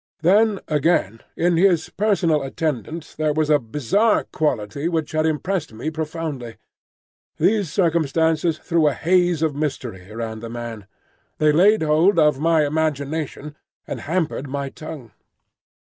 Then, again, in his personal attendant there was a bizarre quality which had impressed me profoundly. These circumstances threw a haze of mystery round the man. They laid hold of my imagination, and hampered my tongue.